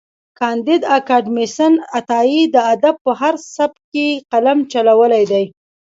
کانديد اکاډميسن عطايي د ادب په هر سبک کې قلم چلولی دی.